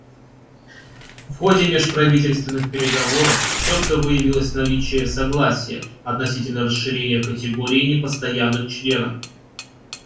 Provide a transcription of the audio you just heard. В ходе межправительственных переговоров четко выявилось наличие согласия относительно расширения категории непостоянных членов.